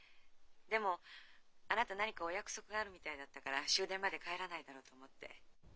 でもあなた何かお約束があるみたいだったから終電まで帰らないだろうと思って。